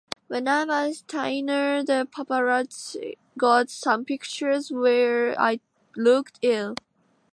When I was thinner the paparazzi got some pictures where I looked ill.